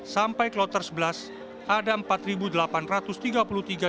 sampai kloter sebelas ada empat delapan ratus tiga puluh tiga kg